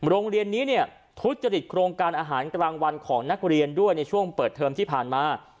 โรงเรียนนี้เนี่ยทุจริตโครงการอาหารกลางวันของนักเรียนด้วยในช่วงเปิดเทอมที่ผ่านมา